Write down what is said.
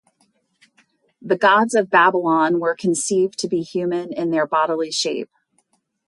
The gods of Babylon were conceived to be human in their bodily shape.